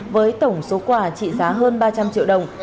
với tổng số quà trị giá hơn ba trăm linh triệu đồng